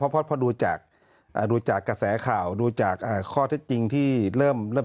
พอดูจากแสข่าวดูจากข้อที่จริงที่เริ่มชัดเจน